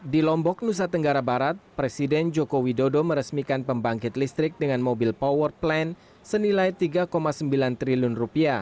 di lombok nusa tenggara barat presiden joko widodo meresmikan pembangkit listrik dengan mobil power plan senilai rp tiga sembilan triliun